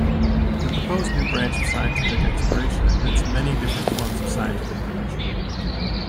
The proposed new branch of scientific exploration admits many different forms of scientific production.